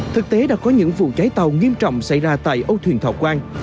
thực tế đã có những vụ cháy tàu nghiêm trọng xảy ra tại âu thuyền thọ quang